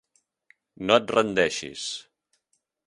No et rendeixis!